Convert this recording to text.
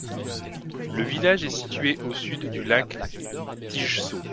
Le village est situé au sud du lac Tinnsjø.